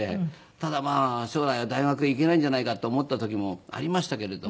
ただまあ将来は大学行けないんじゃないかって思った時もありましたけれども。